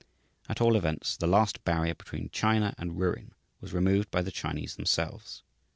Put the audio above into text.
At all events, the last barrier between China and ruin was removed by the Chinese themselves.